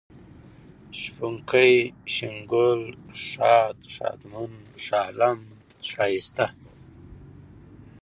شپونکی ، شين گل ، ښاد ، ښادمن ، ښالم ، ښايسته